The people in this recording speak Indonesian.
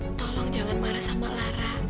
tolong jangan marah sama lara